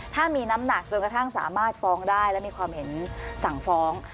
ถ้ามีน้ำหนักจนกระทั่งสามารถฟ้องได้และมีความเห็นสั่งฟ้อง